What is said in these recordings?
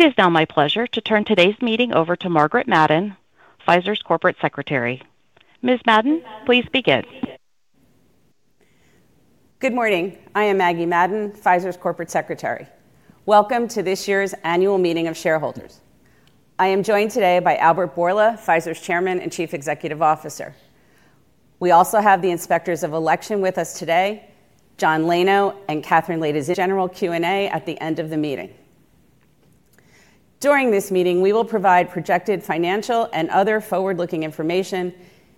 It is now my pleasure to turn today's meeting over to Margaret Madden, Pfizer's Corporate Secretary. Ms. Madden, please begin. Good morning. I am Margaret Madden, Pfizer's Corporate Secretary. Welcome to this year's annual meeting of shareholders. I am joined today by Albert Bourla, Pfizer's Chairman and Chief Executive Officer. We also have the Inspectors of Election with us today, John Lano and Kathrin Latey. General Q&A at the End of the meeting. During this meeting, we will provide projected financial and other forward-looking information,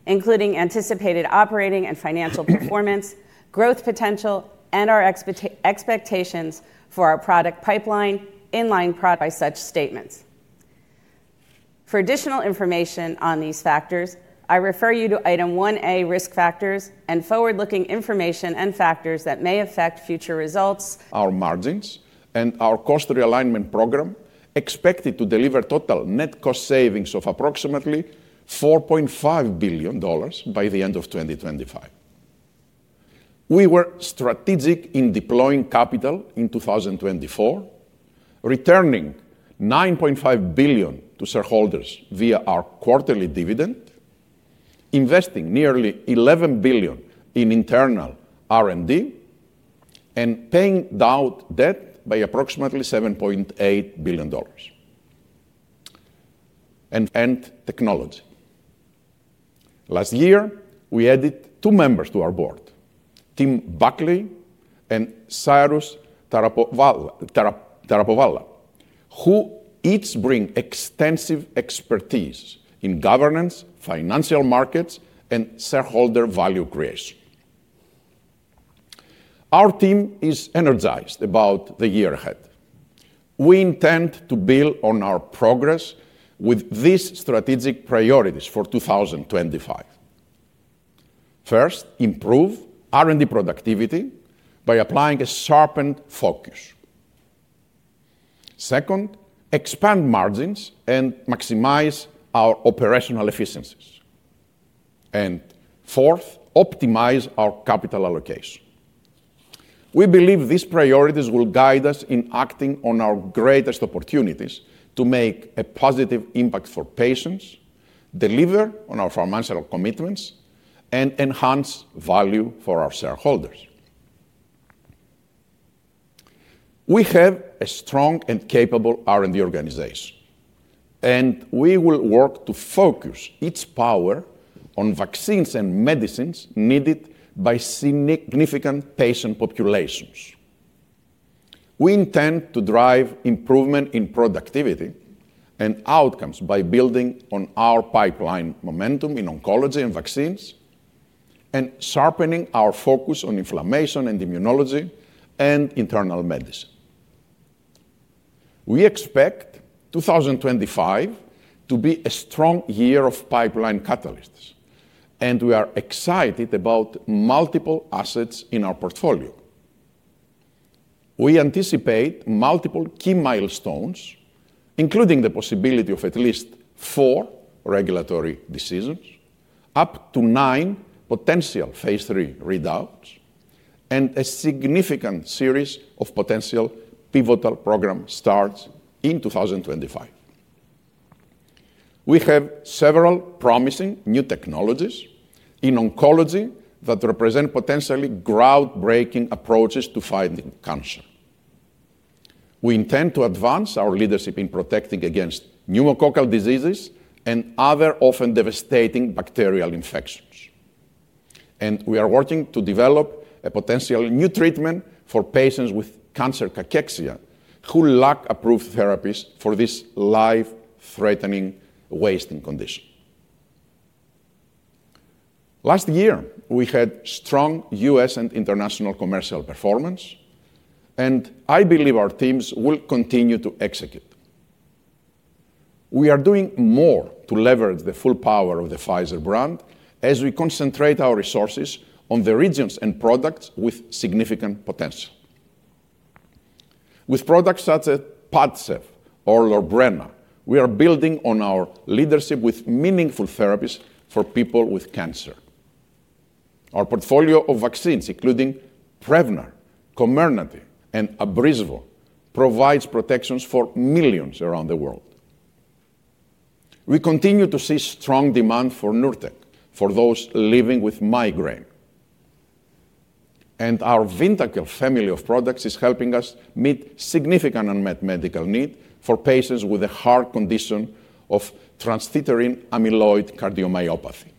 including anticipated operating and financial performance, growth potential, and our expectations for our product pipeline, in line product. By such statements. For additional information on these factors, I refer you to Item 1A Risk Factors and forward-looking information and factors that may affect future results. Our margins and our cost realignment program expected to deliver total net cost savings of approximately $4.5 billion by the End of 2025. We were strategic in deploying capital in 2024, returning $9.5 billion to shareholders via our quarterly dividend, investing nearly $11 billion in internal R&D, and paying down debt by approximately $7.8 billion. Technology. Last year, we added two members to our board, Tim Buckley and Cyrus Taraporevala, who each bring extensive expertise in governance, financial markets, and shareholder value creation. Our team is energized about the year ahead. We intend to build on our progress with these strategic priorities for 2025. First, improve R&D productivity by applying a sharpened focus. Second, expand margins and maximize our operational efficiencies. Fourth, optimize our capital allocation. We believe these priorities will guide us in acting on our greatest opportunities to make a positive impact for patients, deliver on our financial commitments, and enhance value for our shareholders. We have a strong and capable R&D organization, and we will work to focus each power on vaccines and medicines needed by significant patient populations. We intend to drive improvement in productivity and outcomes by building on our pipeline momentum in oncology and vaccines, and sharpening our focus on inflammation and immunology and internal medicine. We expect 2025 to be a strong year of pipeline catalysts, and we are excited about multiple assets in our portfolio. We anticipate multiple key milestones, including the possibility of at least four regulatory decisions, up to nine potential phase III readouts, and a significant series of potential pivotal program starts in 2025. We have several promising new technologies in oncology that represent potentially groundbreaking approaches to fighting cancer. We intend to advance our leadership in protecting against pneumococcal diseases and other often devastating bacterial infections. We are working to develop a potential new treatment for patients with cancer cachexia who lack approved therapies for this life-threatening wasting condition. Last year, we had strong U.S. and international commercial performance, and I believe our teams will continue to execute. We are doing more to leverage the full power of the Pfizer brand as we concentrate our resources on the regions and products with significant potential. With products such as Padcev or Lorbrena, we are building on our leadership with meaningful therapies for people with cancer. Our portfolio of vaccines, including Prevnar, Comirnaty, and Abrysvo, provides protections for millions around the world. We continue to see strong demand for Nurtec, for those living with migraine. Our Vyndaqel family of products is helping us meet significant unmet medical needs for patients with a heart condition of transthyretin amyloid cardiomyopathy.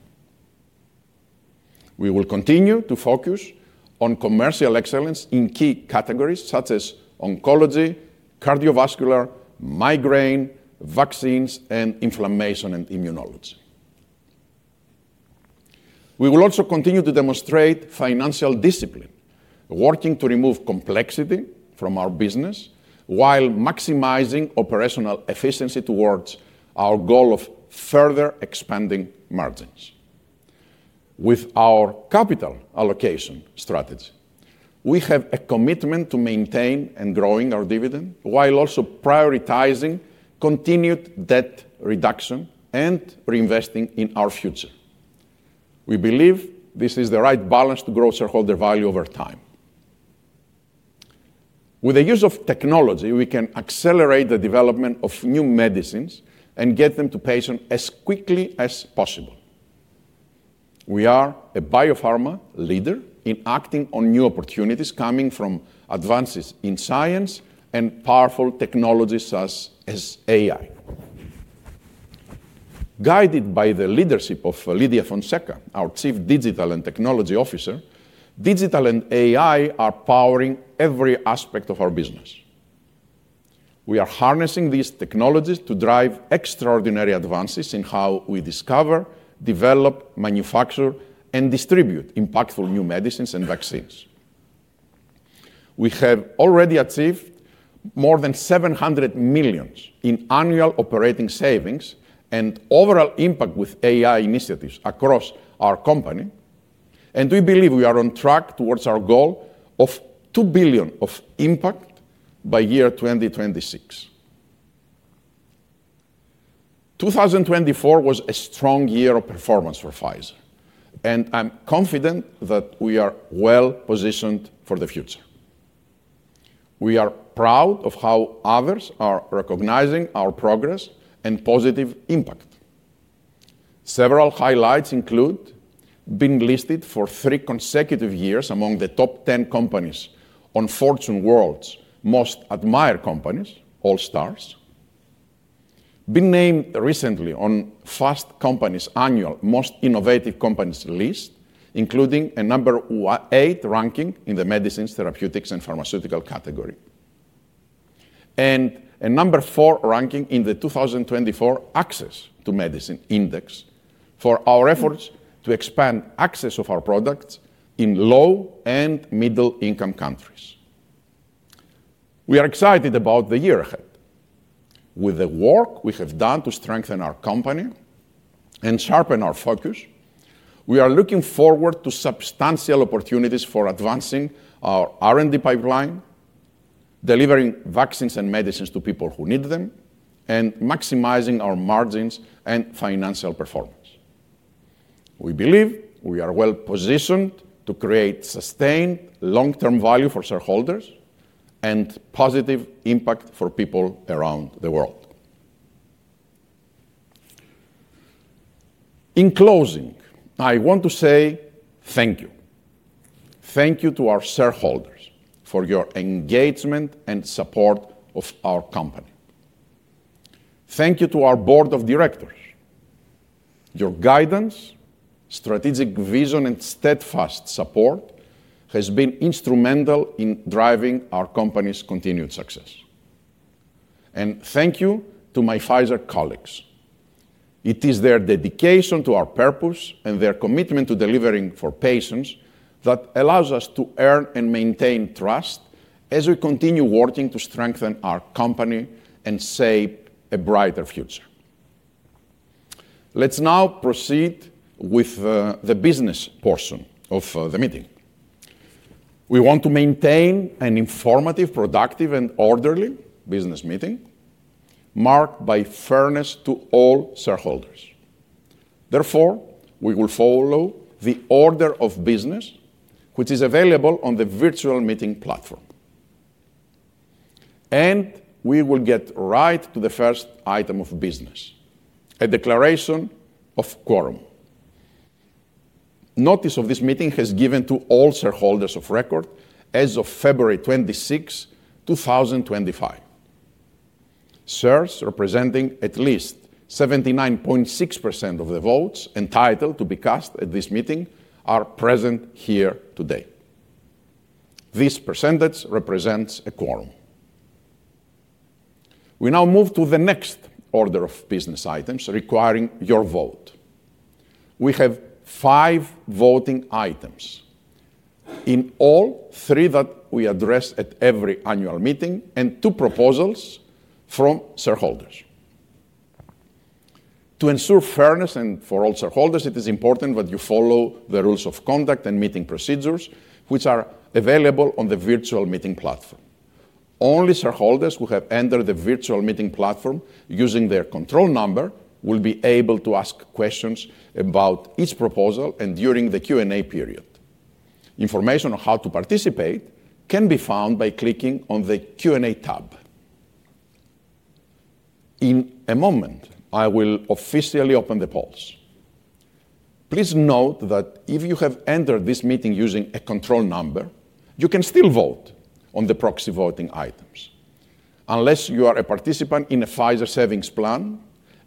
We will continue to focus on commercial excellence in key categories such as oncology, cardiovascular, migraine, vaccines, and inflammation and immunology. We will also continue to demonstrate financial discipline, working to remove complexity from our business while maximizing operational efficiency towards our goal of further expanding margins. With our capital allocation strategy, we have a commitment to maintain and grow our dividend while also prioritizing continued debt reduction and reinvesting in our future. We believe this is the right balance to grow shareholder value over time. With the use of technology, we can accelerate the development of new medicines and get them to patients as quickly as possible. We are a biopharma leader in acting on new opportunities coming from advances in science and powerful technologies such as AI. Guided by the leadership of Lidia Fonseca, our Chief Digital and Technology Officer, digital and AI are powering every aspect of our business. We are harnessing these technologies to drive extraordinary advances in how we discover, develop, manufacture, and distribute impactful new medicines and vaccines. We have already achieved more than $700 million in annual operating savings and overall impact with AI initiatives across our company, and we believe we are on track towards our goal of $2 billion of impact by year 2026. 2024 was a strong year of performance for Pfizer, and I'm confident that we are well positioned for the future. We are proud of how others are recognizing our progress and positive impact. Several highlights include being listed for three consecutive years among the top 10 companies on Fortune World's Most Admired Companies, All Stars, being named recently on Fast Company's annual Most Innovative Companies list, including a number eight ranking in the Medicines, Therapeutics, and Pharmaceutical category, and a number four ranking in the 2024 Access to Medicine Index for our efforts to expand access to our products in low and middle-income countries. We are excited about the year ahead. With the work we have done to strengthen our company and sharpen our focus, we are looking forward to substantial opportunities for advancing our R&D pipeline, delivering vaccines and medicines to people who need them, and maximizing our margins and financial performance. We believe we are well positioned to create sustained long-term value for shareholders and positive impact for people around the world. In closing, I want to say thank you. Thank you to our shareholders for your engagement and support of our company. Thank you to our Board of Directors. Your guidance, strategic vision, and steadfast support have been instrumental in driving our company's continued success. Thank you to my Pfizer colleagues. It is their dedication to our purpose and their commitment to delivering for patients that allows us to earn and maintain trust as we continue working to strengthen our company and shape a brighter future. Let's now proceed with the business portion of the meeting. We want to maintain an informative, productive, and orderly business meeting marked by fairness to all shareholders. Therefore, we will follow the order of business, which is available on the virtual meeting platform. We will get right to the first item of business, a declaration of quorum. Notice of this meeting has been given to all shareholders of record as of February 26, 2025. Shares representing at least 79.6% of the votes entitled to be cast at this meeting are present here today. This percentage represents a quorum. We now move to the next order of business items requiring your vote. We have five voting items in all, three that we address at every annual meeting and two proposals from shareholders. To ensure fairness for all shareholders, it is important that you follow the rules of conduct and meeting procedures, which are available on the virtual meeting platform. Only shareholders who have entered the virtual meeting platform using their control number will be able to ask questions about each proposal and during the Q&A period. Information on how to participate can be found by clicking on the Q&A tab. In a moment, I will officially open the polls. Please note that if you have entered this meeting using a control number, you can still vote on the proxy voting items unless you are a participant in a Pfizer savings plan,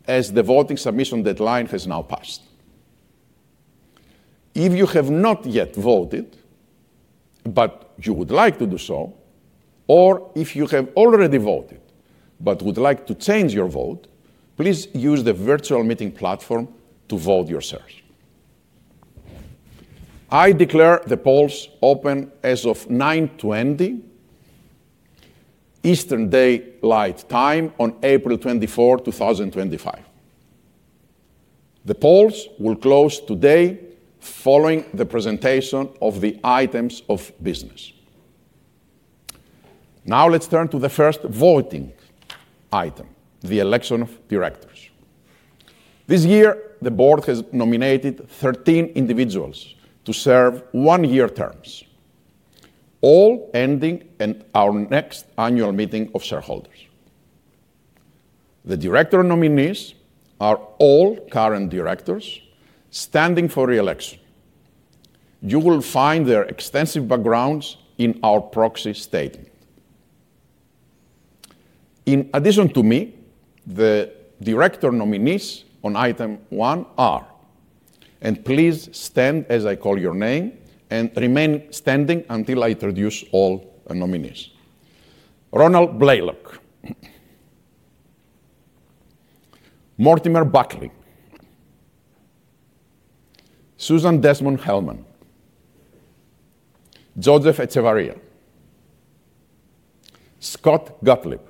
as the voting submission deadline has now passed. If you have not yet voted but you would like to do so, or if you have already voted but would like to change your vote, please use the virtual meeting platform to vote yourself. I declare the polls open as of 9:20 A.M. EDT on April 24, 2025. The polls will close today following the presentation of the items of business. Now let's turn to the first voting item, the election of directors. This year, the board has nominated 13 individuals to serve one-year terms, all ending at our next annual meeting of shareholders. The director nominees are all current directors standing for reelection. You will find their extensive backgrounds in our proxy statement. In addition to me, the director nominees on item one are, and please stand as I call your name and remain standing until I introduce all nominees: Ronald Blaylock, Mortimer Buckley, Susan Desmond-Hellmann, Joseph Echevarria, Scott Gottlieb,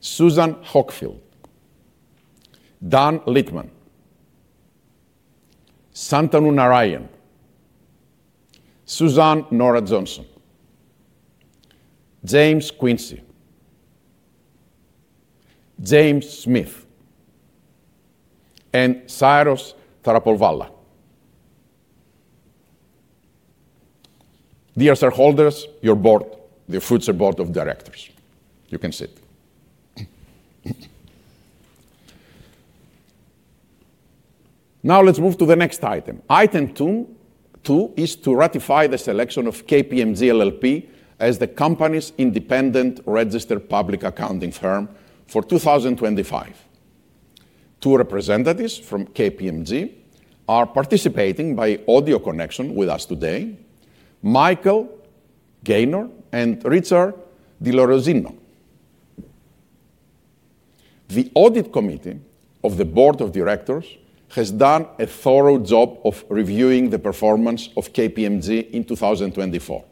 Susan Hockfield, Dan Littman, Santanu Narayan, Suzanne Nora Johnson, James Quincy, James Smith, and Cyrus Taraporevala. Dear shareholders, your board, the future board of directors, you can sit. Now let's move to the next item. Item two is to ratify the selection of KPMG LLP as the company's independent registered public accounting firm for 2025. Two representatives from KPMG are participating by audio connection with us today, Michael Gaynor and Richard DeLorenzo. The audit committee of the board of directors has done a thorough job of reviewing the performance of KPMG in 2024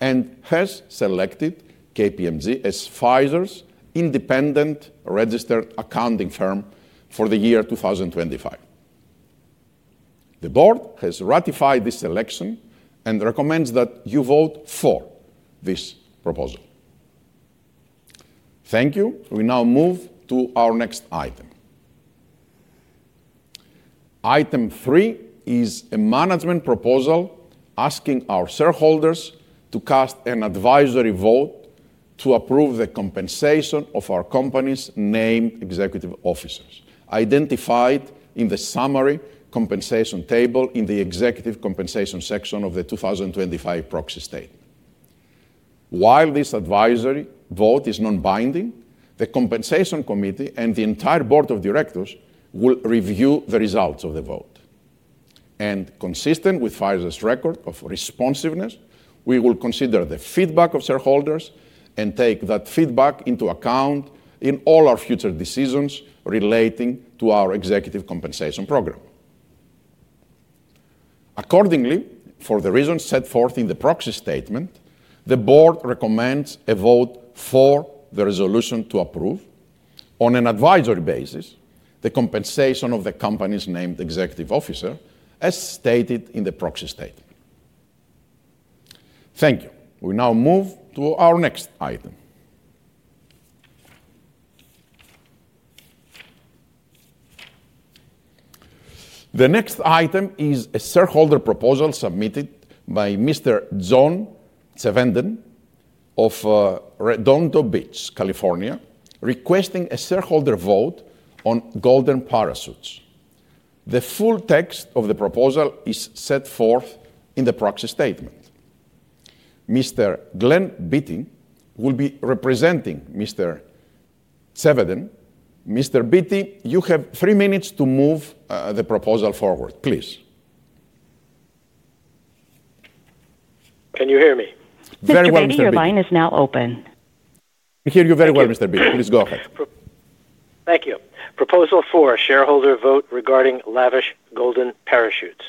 and has selected KPMG as Pfizer's independent registered accounting firm for the year 2025. The board has ratified this selection and recommends that you vote for this proposal. Thank you. We now move to our next item. Item three is a management proposal asking our shareholders to cast an advisory vote to approve the compensation of our company's named executive officers identified in the summary compensation table in the executive compensation section of the 2025 proxy statement. While this advisory vote is non-binding, the compensation committee and the entire board of directors will review the results of the vote. Consistent with Pfizer's record of responsiveness, we will consider the feedback of shareholders and take that feedback into account in all our future decisions relating to our executive compensation program. Accordingly, for the reasons set forth in the proxy statement, the board recommends a vote for the resolution to approve on an advisory basis the compensation of the company's named executive officer, as stated in the proxy statement. Thank you. We now move to our next item. The next item is a shareholder proposal submitted by Mr. John Tsvenden of Redondo Beach, California, requesting a shareholder vote on golden parachutes. The full text of the proposal is set forth in the proxy statement. Mr. Glenn Bitting will be representing Mr. Tsvenden. Mr. Bitting, you have three minutes to move the proposal forward, please. Can you hear me? Very well, Mr. Bitting. Your line is now open. We hear you very well, Mr. Bitting. Please go ahead. Thank you. Proposal four, shareholder vote regarding Lavish Golden Parachutes.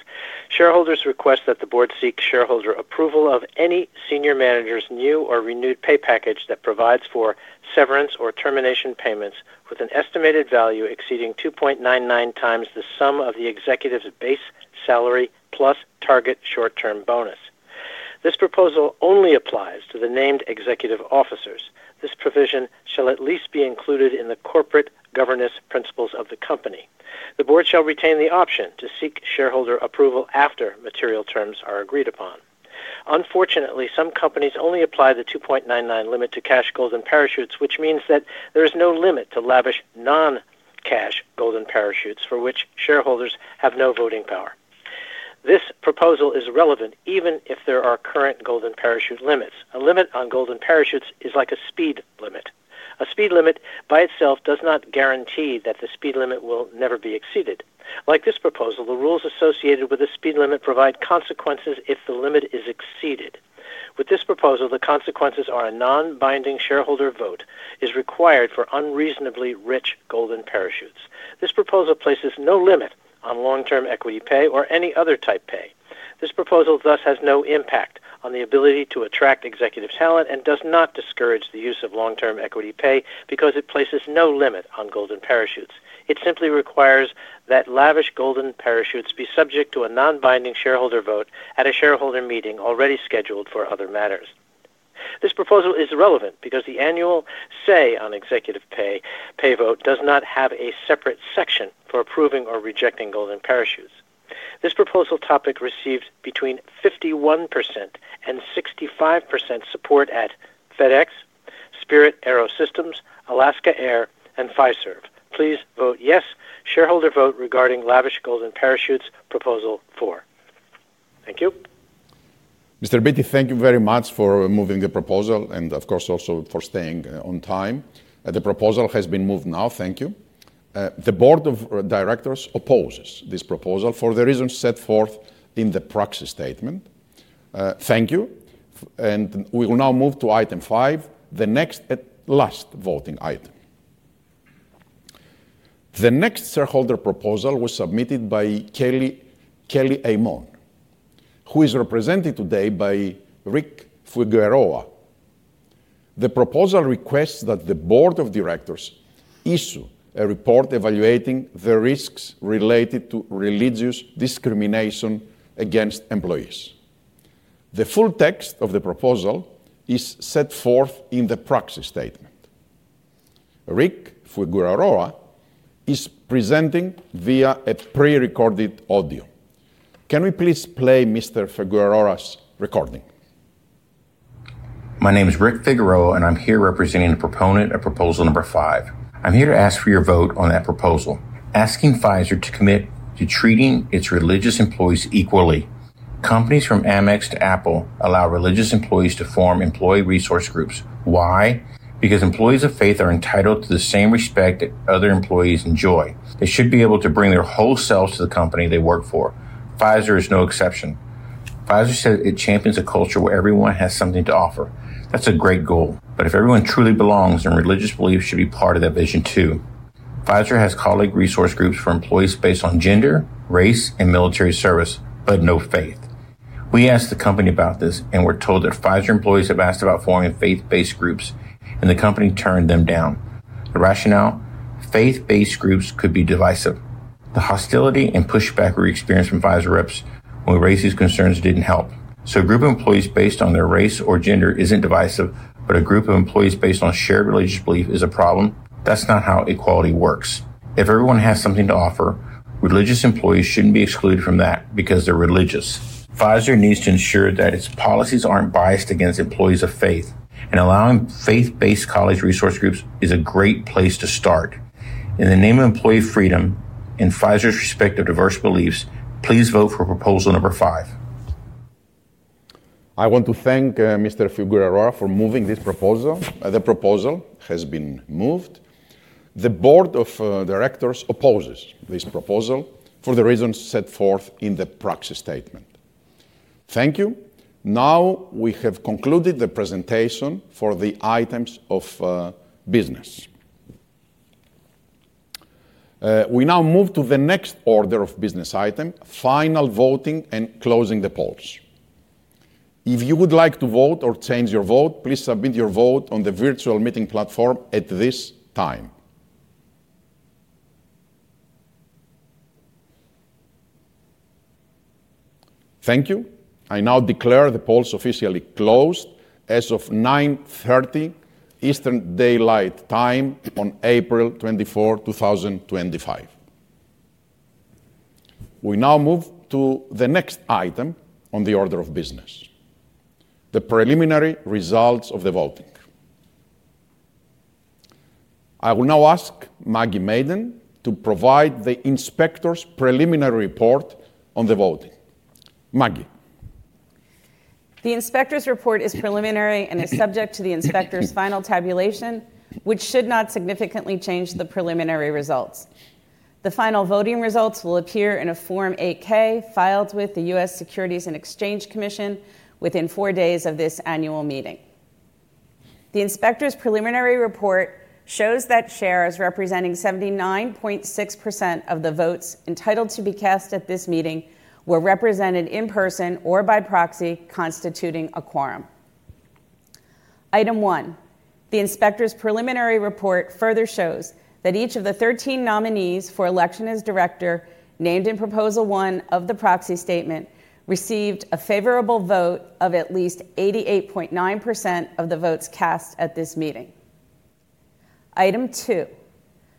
Shareholders request that the board seek shareholder approval of any senior manager's new or renewed pay package that provides for severance or termination payments with an estimated value exceeding 2.99 times the sum of the executive's base salary plus target short-term bonus. This proposal only applies to the named executive officers. This provision shall at least be included in the corporate governance principles of the company. The board shall retain the option to seek shareholder approval after material terms are agreed upon. Unfortunately, some companies only apply the 2.99 limit to cash Golden Parachutes, which means that there is no limit to lavish non-cash Golden Parachutes for which shareholders have no voting power. This proposal is relevant even if there are current Golden Parachute limits. A limit on Golden Parachutes is like a speed limit. A speed limit by itself does not guarantee that the speed limit will never be exceeded. Like this proposal, the rules associated with the speed limit provide consequences if the limit is exceeded. With this proposal, the consequences are a non-binding shareholder vote is required for unreasonably rich Golden Parachutes. This proposal places no limit on long-term equity pay or any other type pay. This proposal thus has no impact on the ability to attract executive talent and does not discourage the use of long-term equity pay because it places no limit on Golden Parachutes. It simply requires that lavish Golden Parachutes be subject to a non-binding shareholder vote at a shareholder meeting already scheduled for other matters. This proposal is relevant because the annual say on executive pay vote does not have a separate section for approving or rejecting Golden Parachutes. This proposal topic received between 51% and 65% support at FedEx, Spirit AeroSystems, Alaska Air, and Pfizer. Please vote yes, shareholder vote regarding lavish golden parachutes proposal four. Thank you. Mr. Bitting, thank you very much for moving the proposal and, of course, also for staying on time. The proposal has been moved now. Thank you. The board of directors opposes this proposal for the reasons set forth in the proxy statement. Thank you. We will now move to item five, the next at last voting item. The next shareholder proposal was submitted by Kelly Aamel, who is represented today by Rick Figueroa. The proposal requests that the board of directors issue a report evaluating the risks related to religious discrimination against employees. The full text of the proposal is set forth in the proxy statement. Rick Figueroa is presenting via a prerecorded audio. Can we please play Mr. Figueroa's recording? My name is Rick Figueroa, and I'm here representing the proponent of proposal number five. I'm here to ask for your vote on that proposal, asking Pfizer to commit to treating its religious employees equally. Companies from AmEx to Apple allow religious employees to form employee resource groups. Why? Because employees of faith are entitled to the same respect that other employees enjoy. They should be able to bring their whole selves to the company they work for. Pfizer is no exception. Pfizer says it champions a culture where everyone has something to offer. That's a great goal. If everyone truly belongs, then religious beliefs should be part of that vision too. Pfizer has colleague resource groups for employees based on gender, race, and military service, but no faith. We asked the company about this, and we're told that Pfizer employees have asked about forming faith-based groups, and the company turned them down. The rationale? Faith-based groups could be divisive. The hostility and pushback we experienced from Pfizer reps when we raised these concerns did not help. So a group of employees based on their race or gender is not divisive, but a group of employees based on shared religious belief is a problem? That is not how equality works. If everyone has something to offer, religious employees should not be excluded from that because they are religious. Pfizer needs to ensure that its policies are not biased against employees of faith, and allowing faith-based college resource groups is a great place to start. In the name of employee freedom and Pfizer's respect of diverse beliefs, please vote for proposal number five. I want to thank Mr. Figueroa for moving this proposal. The proposal has been moved. The board of directors opposes this proposal for the reasons set forth in the proxy statement. Thank you. Now we have concluded the presentation for the items of business. We now move to the next order of business item, final voting and closing the polls. If you would like to vote or change your vote, please submit your vote on the virtual meeting platform at this time. Thank you. I now declare the polls officially closed as of 9:30 A.M. EDT on April 24, 2025. We now move to the next item on the order of business, the preliminary results of the voting. I will now ask Margaret Madden to provide the inspector's preliminary report on the voting. Margaret. The inspector's report is preliminary and is subject to the inspector's final tabulation, which should not significantly change the preliminary results. The final voting results will appear in a Form 8K filed with the U.S. Securities and Exchange Commission within four days of this annual meeting. The inspector's preliminary report shows that shares representing 79.6% of the votes entitled to be cast at this meeting were represented in person or by proxy, constituting a quorum. Item one, the inspector's preliminary report further shows that each of the 13 nominees for election as director named in proposal one of the proxy statement received a favorable vote of at least 88.9% of the votes cast at this meeting. Item two,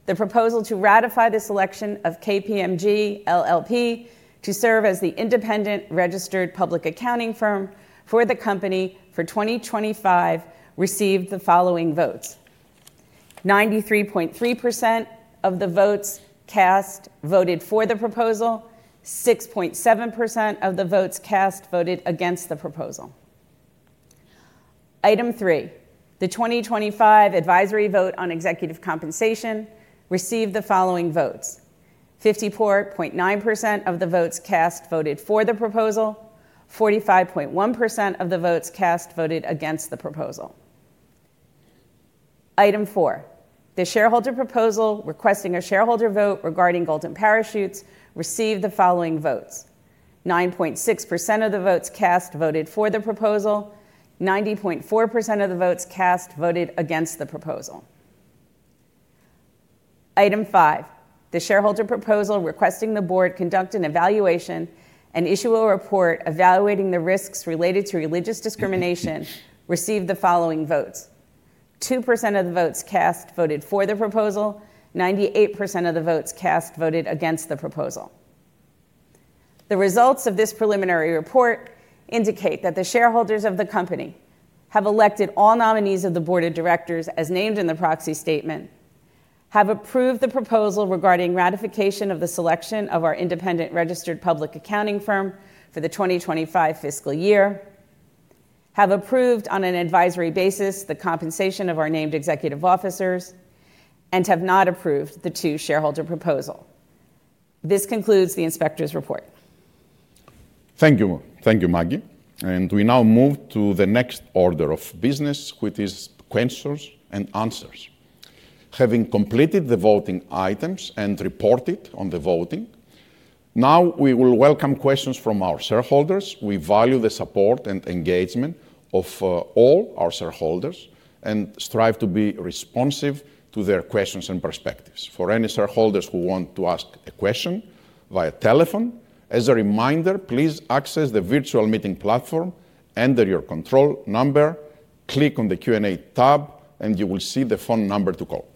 the proposal to ratify the selection of KPMG LLP to serve as the independent registered public accounting firm for the company for 2025 received the following votes: 93.3% of the votes cast voted for the proposal, 6.7% of the votes cast voted against the proposal. Item three, the 2025 advisory vote on executive compensation received the following votes: 54.9% of the votes cast voted for the proposal, 45.1% of the votes cast voted against the proposal. Item four, the shareholder proposal requesting a shareholder vote regarding golden parachutes received the following votes: 9.6% of the votes cast voted for the proposal, 90.4% of the votes cast voted against the proposal. Item five, the shareholder proposal requesting the board conduct an evaluation and issue a report evaluating the risks related to religious discrimination received the following votes: 2% of the votes cast voted for the proposal, 98% of the votes cast voted against the proposal. The results of this preliminary report indicate that the shareholders of the company have elected all nominees of the board of directors as named in the proxy statement, have approved the proposal regarding ratification of the selection of our independent registered public accounting firm for the 2025 fiscal year, have approved on an advisory basis the compensation of our named executive officers, and have not approved the two-shareholder proposal. This concludes the inspector's report. Thank you. Thank you, Maggie. We now move to the next order of business, which is questions and answers. Having completed the voting items and reported on the voting, we will welcome questions from our shareholders. We value the support and engagement of all our shareholders and strive to be responsive to their questions and perspectives. For any shareholders who want to ask a question via telephone, as a reminder, please access the virtual meeting platform, enter your control number, click on the Q&A tab, and you will see the phone number to call.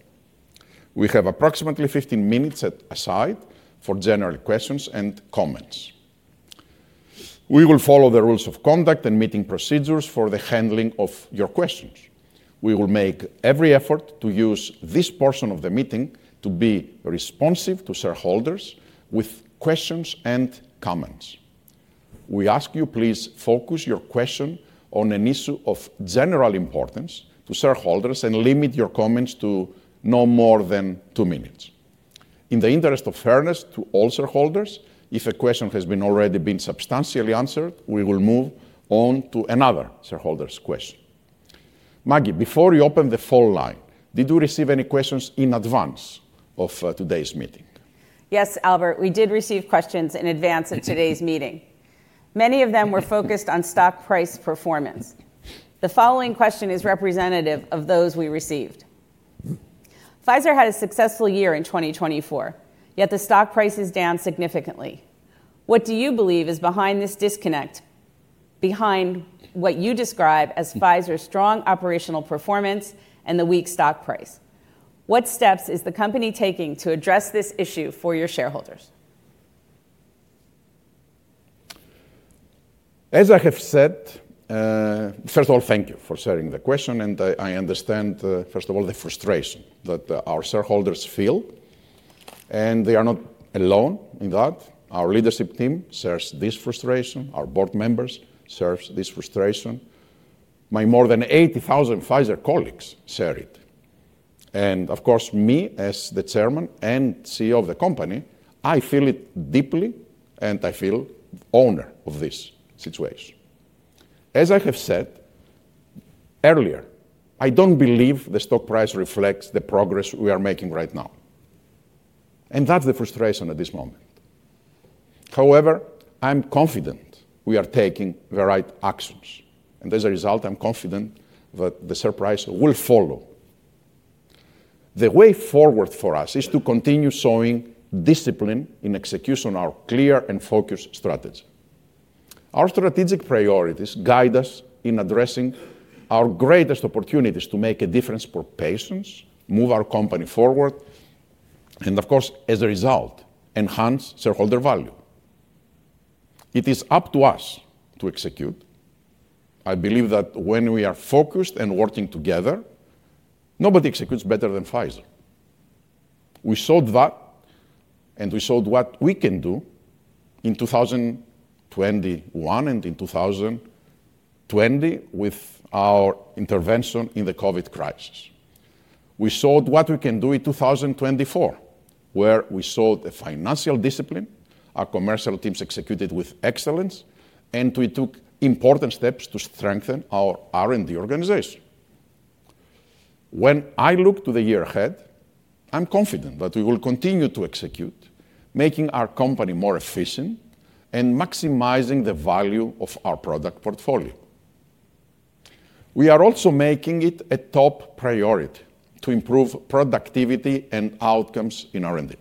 We have approximately 15 minutes aside for general questions and comments. We will follow the rules of conduct and meeting procedures for the handling of your questions. We will make every effort to use this portion of the meeting to be responsive to shareholders with questions and comments. We ask you, please focus your question on an issue of general importance to shareholders and limit your comments to no more than two minutes. In the interest of fairness to all shareholders, if a question has already been substantially answered, we will move on to another shareholder's question. Maggie, before you open the phone line, did you receive any questions in advance of today's meeting? Yes, Albert, we did receive questions in advance of today's meeting. Many of them were focused on stock price performance. The following question is representative of those we received. Pfizer had a successful year in 2024, yet the stock price is down significantly. What do you believe is behind this disconnect, behind what you describe as Pfizer's strong operational performance and the weak stock price? What steps is the company taking to address this issue for your shareholders? As I have said, first of all, thank you for sharing the question. I understand, first of all, the frustration that our shareholders feel. They are not alone in that. Our leadership team shares this frustration. Our board members share this frustration. My more than 80,000 Pfizer colleagues share it. Of course, me as the Chairman and CEO of the company, I feel it deeply, and I feel the owner of this situation. As I have said earlier, I do not believe the stock price reflects the progress we are making right now. That is the frustration at this moment. However, I am confident we are taking the right actions. As a result, I am confident that the share price will follow. The way forward for us is to continue showing discipline in execution of our clear and focused strategy. Our strategic priorities guide us in addressing our greatest opportunities to make a difference for patients, move our company forward, and of course, as a result, enhance shareholder value. It is up to us to execute. I believe that when we are focused and working together, nobody executes better than Pfizer. We showed that, and we showed what we can do in 2021 and in 2020 with our intervention in the COVID crisis. We showed what we can do in 2024, where we showed financial discipline, our commercial teams executed with excellence, and we took important steps to strengthen our R&D organization. When I look to the year ahead, I'm confident that we will continue to execute, making our company more efficient and maximizing the value of our product portfolio. We are also making it a top priority to improve productivity and outcomes in R&D.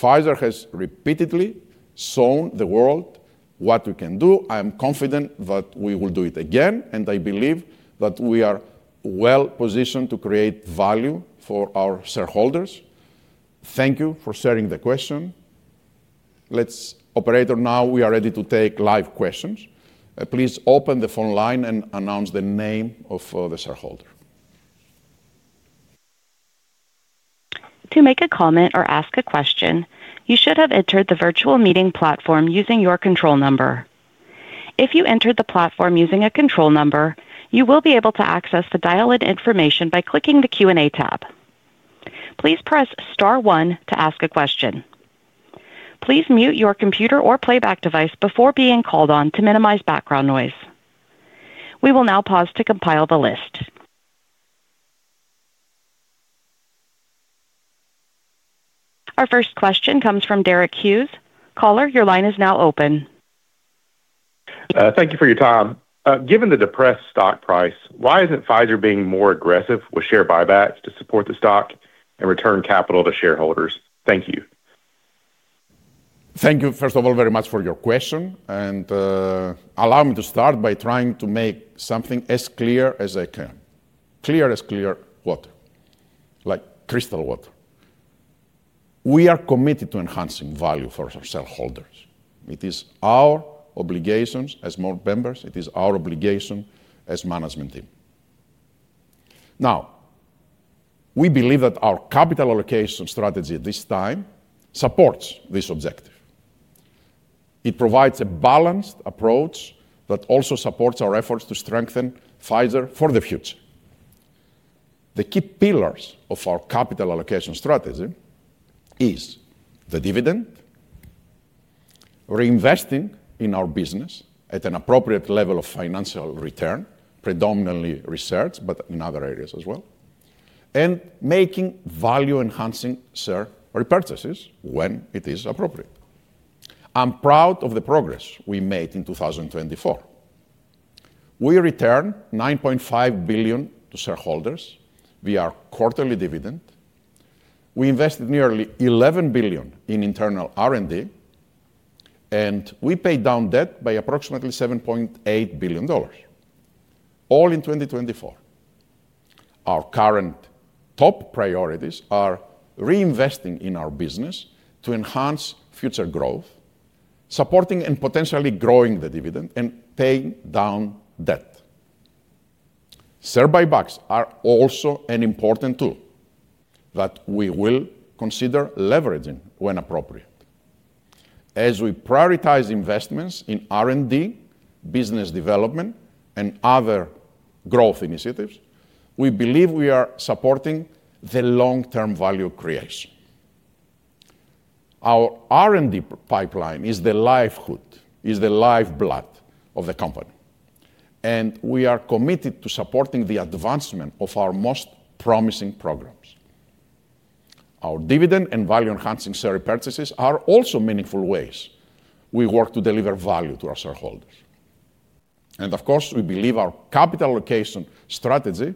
Pfizer has repeatedly shown the world what we can do. I am confident that we will do it again, and I believe that we are well positioned to create value for our shareholders. Thank you for sharing the question. Let's Operator now. We are ready to take live questions. Please open the phone line and announce the name of the shareholder. To make a comment or ask a question, you should have entered the virtual meeting platform using your control number. If you entered the platform using a control number, you will be able to access the dial-in information by clicking the Q&A tab. Please press star one to ask a question. Please mute your computer or playback device before being called on to minimize background noise. We will now pause to compile the list. Our first question comes from Derek Hughes. Caller, your line is now open. Thank you for your time. Given the depressed stock price, why isn't Pfizer being more aggressive with share buybacks to support the stock and return capital to shareholders? Thank you. Thank you, first of all, very much for your question. Allow me to start by trying to make something as clear as I can. Clear as clear water, like crystal water. We are committed to enhancing value for our shareholders. It is our obligation as board members. It is our obligation as management team. Now, we believe that our capital allocation strategy at this time supports this objective. It provides a balanced approach that also supports our efforts to strengthen Pfizer for the future. The key pillars of our capital allocation strategy are the dividend, reinvesting in our business at an appropriate level of financial return, predominantly research, but in other areas as well, and making value-enhancing share repurchases when it is appropriate. I'm proud of the progress we made in 2024. We returned $9.5 billion to shareholders via our quarterly dividend. We invested nearly $11 billion in internal R&D, and we paid down debt by approximately $7.8 billion, all in 2024. Our current top priorities are reinvesting in our business to enhance future growth, supporting and potentially growing the dividend, and paying down debt. Share buybacks are also an important tool that we will consider leveraging when appropriate. As we prioritize investments in R&D, business development, and other growth initiatives, we believe we are supporting the long-term value creation. Our R&D pipeline is the lifeblood of the company, and we are committed to supporting the advancement of our most promising programs. Our dividend and value-enhancing share repurchases are also meaningful ways we work to deliver value to our shareholders. Of course, we believe our capital allocation strategy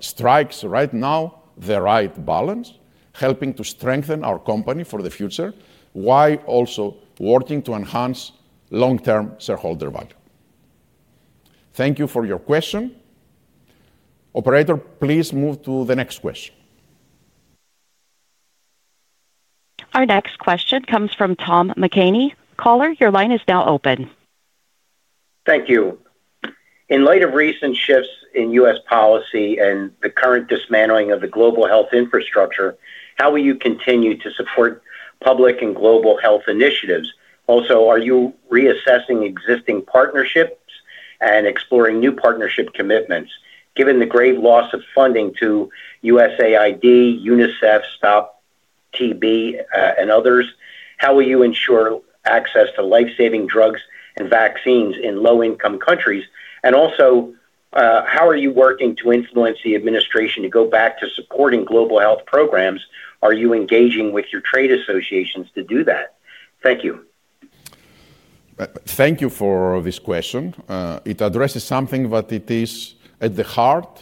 strikes right now the right balance, helping to strengthen our company for the future while also working to enhance long-term shareholder value. Thank you for your question. Operator, please move to the next question. Our next question comes from Tom McHaney. Caller, your line is now open. Thank you. In light of recent shifts in U.S. policy and the current dismantling of the global health infrastructure, how will you continue to support public and global health initiatives? Also, are you reassessing existing partnerships and exploring new partnership commitments? Given the grave loss of funding to USAID, UNICEF, Stop TB, and others, how will you ensure access to lifesaving drugs and vaccines in low-income countries? Also, how are you working to influence the administration to go back to supporting global health programs? Are you engaging with your trade associations to do that? Thank you. Thank you for this question. It addresses something that is at the heart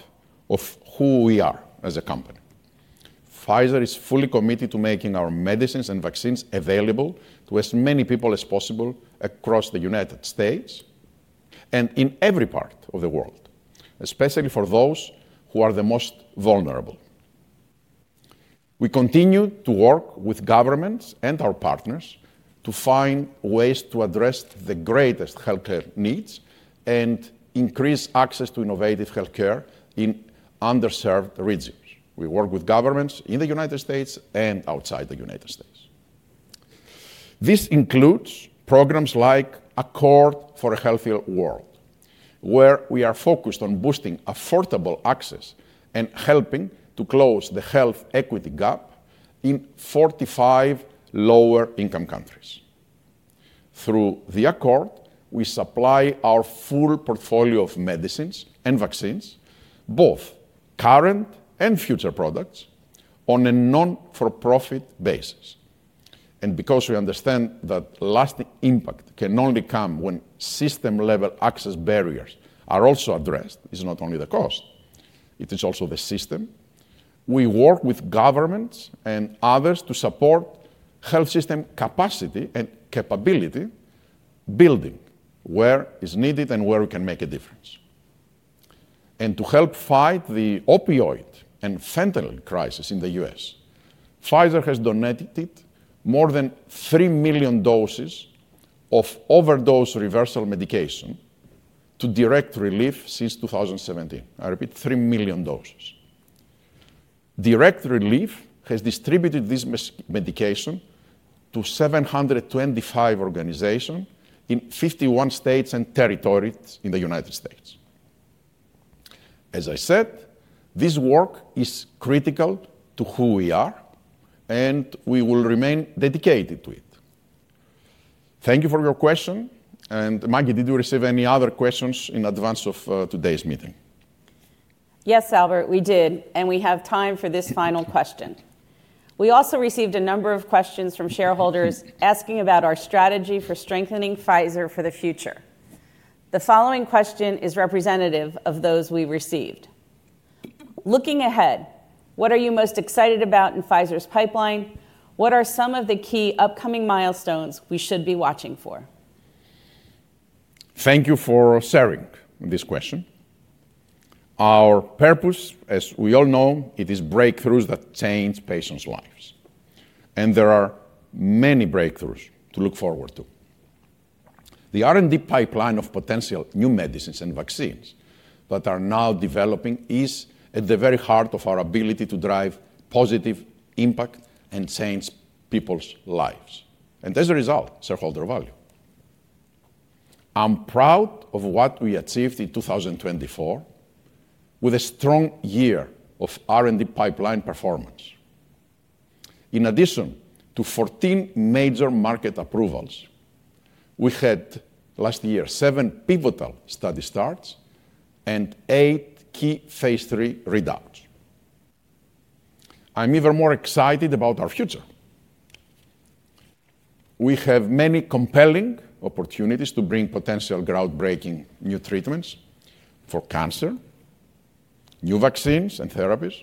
of who we are as a company. Pfizer is fully committed to making our medicines and vaccines available to as many people as possible across the United States and in every part of the world, especially for those who are the most vulnerable. We continue to work with governments and our partners to find ways to address the greatest healthcare needs and increase access to innovative healthcare in underserved regions. We work with governments in the United States and outside the United States. This includes programs like Accord for a Healthier World, where we are focused on boosting affordable access and helping to close the health equity gap in 45 lower-income countries. Through the Accord, we supply our full portfolio of medicines and vaccines, both current and future products, on a non-for-profit basis. Because we understand that lasting impact can only come when system-level access barriers are also addressed, it's not only the cost. It is also the system. We work with governments and others to support health system capacity and capability building, where it's needed and where we can make a difference. To help fight the opioid and fentanyl crisis in the U.S., Pfizer has donated more than 3 million doses of overdose reversal medication to Direct Relief since 2017. I repeat, 3 million doses. Direct Relief has distributed this medication to 725 organizations in 51 states and territories in the United States. As I said, this work is critical to who we are, and we will remain dedicated to it. Thank you for your question. Maggie, did you receive any other questions in advance of today's meeting? Yes, Albert, we did. We have time for this final question. We also received a number of questions from shareholders asking about our strategy for strengthening Pfizer for the future. The following question is representative of those we received. Looking ahead, what are you most excited about in Pfizer's pipeline? What are some of the key upcoming milestones we should be watching for? Thank you for sharing this question. Our purpose, as we all know, is breakthroughs that change patients' lives. There are many breakthroughs to look forward to. The R&D pipeline of potential new medicines and vaccines that are now developing is at the very heart of our ability to drive positive impact and change people's lives. As a result, shareholder value. I'm proud of what we achieved in 2024 with a strong year of R&D pipeline performance. In addition to 14 major market approvals, we had last year seven pivotal study starts and eight key phase three readouts. I'm even more excited about our future. We have many compelling opportunities to bring potential groundbreaking new treatments for cancer, new vaccines and therapies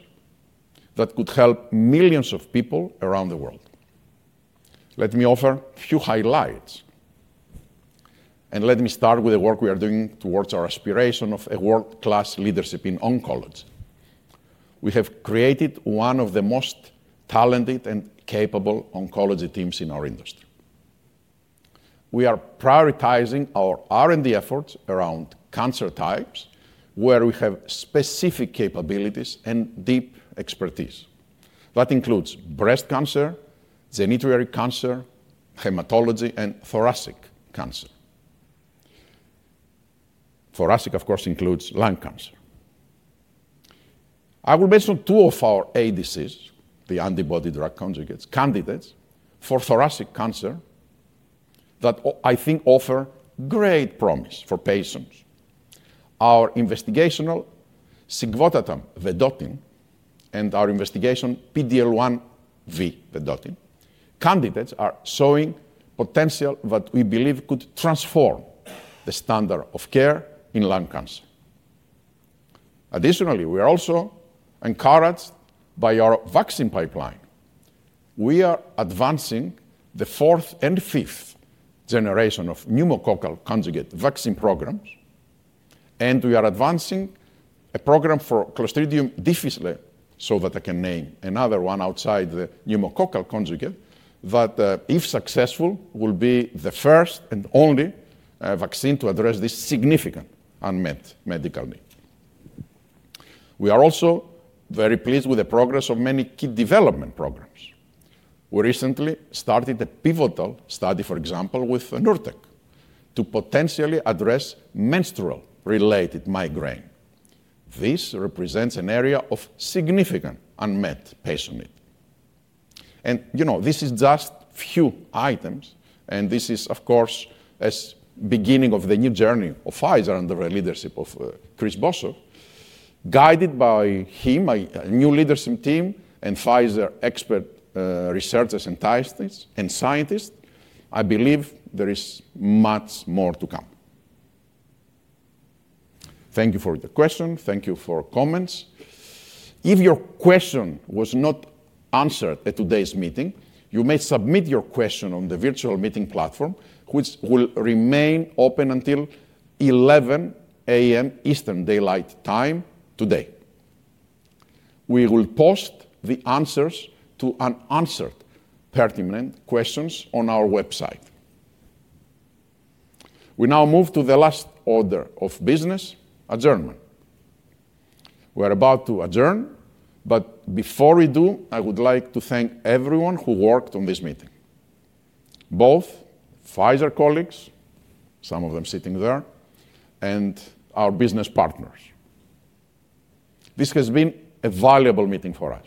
that could help millions of people around the world. Let me offer a few highlights. Let me start with the work we are doing towards our aspiration of a world-class leadership in oncology. We have created one of the most talented and capable oncology teams in our industry. We are prioritizing our R&D efforts around cancer types where we have specific capabilities and deep expertise. That includes breast cancer, genitourinary cancer, hematology, and thoracic cancer. Thoracic, of course, includes lung cancer. I will mention two of our ADCs, the antibody drug candidates, for thoracic cancer that I think offer great promise for patients. Our investigational Sigvotatug vedotin and our investigational PD-L1 V vedotin candidates are showing potential that we believe could transform the standard of care in lung cancer. Additionally, we are also encouraged by our vaccine pipeline. We are advancing the fourth- and fifth-Generation pneumococcal conjugate vaccine programs. We are advancing a program for Clostridium difficile, so that I can name another one outside the pneumococcal conjugate that, if successful, will be the first and only vaccine to address this significant unmet medical need. We are also very pleased with the progress of many key development programs. We recently started a pivotal study, for example, with Nurtec, to potentially address menstrual-related migraine. This represents an area of significant unmet patient need. You know this is just a few items. This is, of course, a beginning of the new journey of Pfizer under the leadership of Chris Boshoff, guided by him, a new leadership team, and Pfizer expert researchers and scientists. I believe there is much more to come. Thank you for the question. Thank you for comments. If your question was not answered at today's meeting, you may submit your question on the virtual meeting platform, which will remain open until 11:00 A.M. Eastern Daylight Time today. We will post the answers to unanswered pertinent questions on our website. We now move to the last order of business, adjournment. We are about to adjourn. Before we do, I would like to thank everyone who worked on this meeting, both Pfizer colleagues, some of them sitting there, and our business partners. This has been a valuable meeting for us.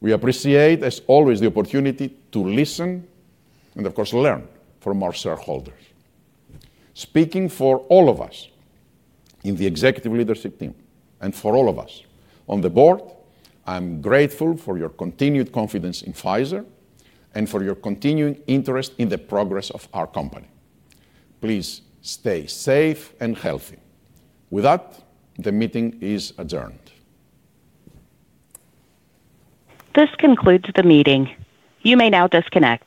We appreciate, as always, the opportunity to listen and, of course, learn from our shareholders. Speaking for all of us in the executive leadership team and for all of us on the board, I'm grateful for your continued confidence in Pfizer and for your continuing interest in the progress of our company. Please stay safe and healthy. With that, the meeting is adjourned. This concludes the meeting. You may now disconnect.